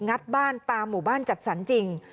ัดบ้านตามหมู่บ้านจัดสรรจริง